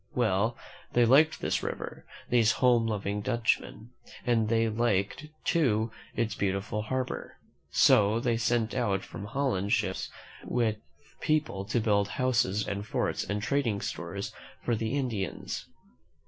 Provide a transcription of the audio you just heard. Well, they liked this river, these home loving Dutchmen, and they liked, too, its beautiful harbor, so they sent out from Holland ships with people to build houses and forts and trading stores for the Indians.